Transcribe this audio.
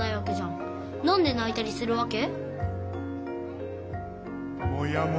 なんでないたりするわけ？